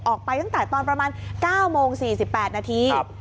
ออกไปตั้งแต่ตอนประมาณ๙โมง๔๘นาที